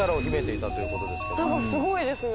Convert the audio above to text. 何かすごいですね。